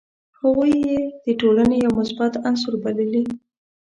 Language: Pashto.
هغوی یې د ټولني یو مثبت عنصر بللي.